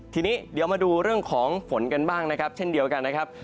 ทีนี้เค้ามั่นดูเรื่องของฝนกันบ้างนะครับ